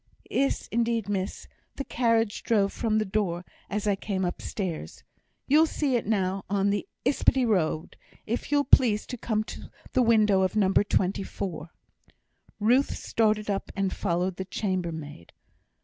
"Iss, indeed, miss; the carriage drove from the door as I came upstairs. You'll see it now on the Yspytty road, if you'll please to come to the window of No. 24." Ruth started up, and followed the chambermaid.